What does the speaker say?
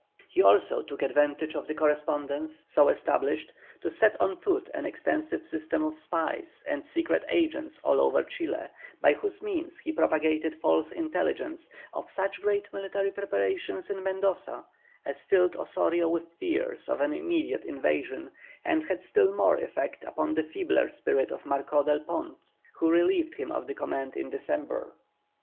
He also took advantage of the correspondence so established to set on foot an extensive system of spies and secret agents all over Chile, by whose means he propagated false intelligence of such great military preparations in Mendoza as filled Osorio with fears of an immediate invasion, and had still more effect upon the feebler spirit of Marcó del Pont, who relieved him of the command in December.